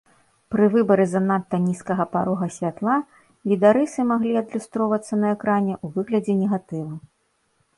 Пры выбары занадта нізкага парога святла відарысы маглі адлюстроўвацца на экране ў выглядзе негатыву.